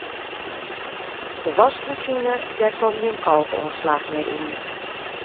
De waskmasine dêr komt gjin kalkoanslach mear yn.